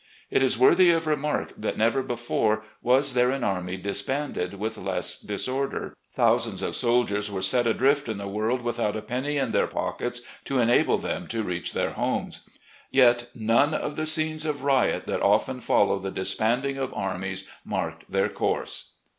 It is worthy of remark that never before was there an army disbanded with less dis order. Thousands of soldiers were set adrift on the world THE SURRENDER iSS without a penny in their pockets to enable them to reach their homes. Yet none of the scenes of riot that often follow the disbanding of armies marked their course."